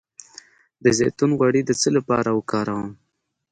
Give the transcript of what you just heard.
د زیتون غوړي د څه لپاره وکاروم؟